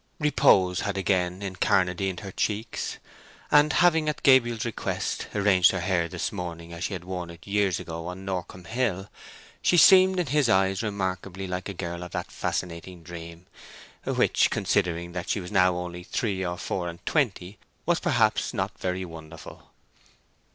Repose had again incarnadined her cheeks; and having, at Gabriel's request, arranged her hair this morning as she had worn it years ago on Norcombe Hill, she seemed in his eyes remarkably like a girl of that fascinating dream, which, considering that she was now only three or four and twenty, was perhaps not very wonderful.